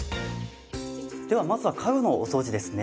ではまずは家具のお掃除ですね。